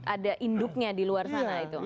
ada induknya di luar sana itu